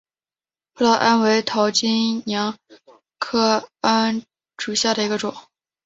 葡萄桉为桃金娘科桉属下的一个种。